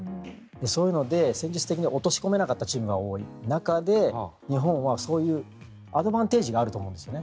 そういうので戦術的に落とし込めなかったチームが多い中で日本はそういうアドバンテージがあると思うんですね。